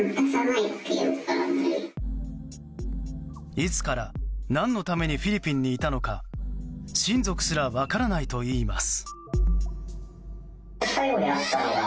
いつから何のためにフィリピンにいたのか親族すら分からないといいます。